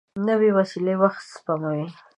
نوې وسېله وخت سپموي